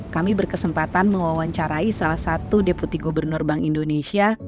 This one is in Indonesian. kami berkesempatan mewawancarai salah satu deputi gubernur bank indonesia